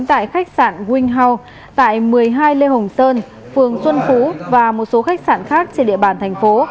tại khách sạn wing house tại một mươi hai lê hồng sơn phường xuân phú và một số khách sạn khác trên địa bàn thành phố